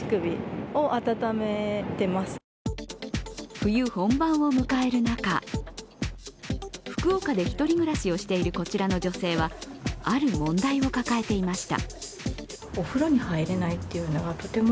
冬本番を迎える中、福岡で１人暮らしをしているこちらの女性はある問題を抱えていました。